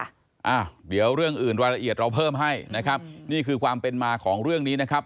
อ้าวเดี๋ยวเรื่องอื่นรายละเอียดเราเพิ่มให้นะครับนี่คือความเป็นมาของเรื่องนี้นะครับ